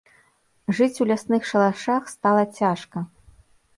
Жыць у лясных шалашах стала цяжка.